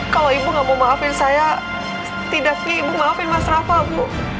kalau ibu nggak mau maafin saya setidaknya ibu maafin mas rafa bu